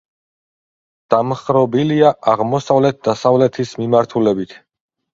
დამხრობილია აღმოსავლეთ-დასავლეთის მიმართულებით.